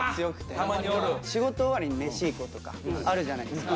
仕事終わりに飯行こうとかあるじゃないですか。